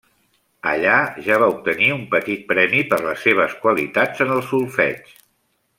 Allà ja va obtenir un petit premi per les seves qualitats en el solfeig.